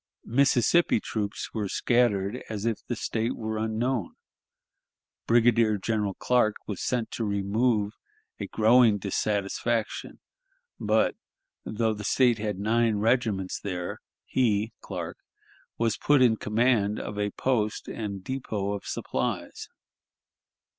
Mississippi troops were scattered as if the State were unknown. Brigadier General Clark was sent to remove a growing dissatisfaction, but, though the State had nine regiments there, he (Clark) was put in command of a post and depot of supplies.